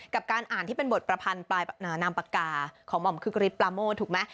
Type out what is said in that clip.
การอ่านที่เป็นบทประพันธ์นามปากกาของหม่อมคึกฤทธปลาโมดถูกไหม